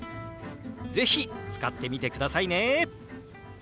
是非使ってみてくださいね！